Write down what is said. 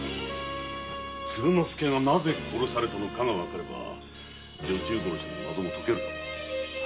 鶴之助がなぜ殺されたのかがわかれば女中殺しの謎も解けるだろう。